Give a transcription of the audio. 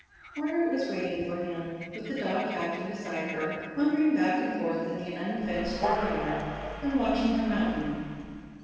Margaret was waiting for him, with the dog Captain beside her, wandering back and forth in the unfenced dooryard and watching her mountain.